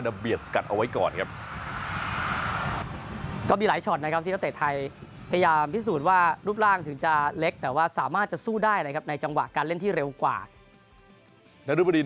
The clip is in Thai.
เนี่ยเกอร์กริสต์พยายามที่จะเข้าให้ถึงบอลแต่สุดท้ายเนี่ยโดนแผงหลังของเกาหลิตา